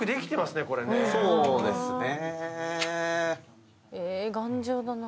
そうですね。